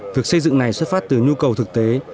việc xây dựng này xuất phát từ nhu cầu thực tế